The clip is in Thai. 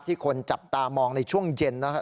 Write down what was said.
คนจับตามองในช่วงเย็นนะครับ